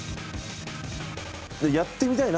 やってみたいな。